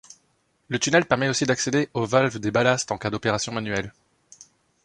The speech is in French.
Le tunnel permet aussi d'accéder aux valves des ballasts en cas d'opération manuelle.